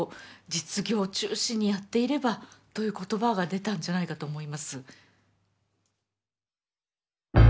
実業中心にやっていればという言葉が出たんじゃないかと思います。